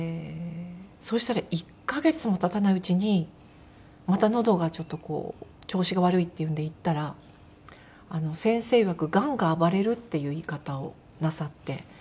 そうしたら１カ月も経たないうちにまたのどがちょっと調子が悪いっていうんで行ったら先生いわく「がんが暴れる」っていう言い方をなさって。